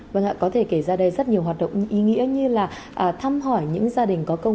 vâng ạ có thể kể ra đây rất nhiều hoạt động ý nghĩa như là thăm hỏi những gia đình có công